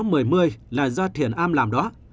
mười mươi là do thiền am làm đó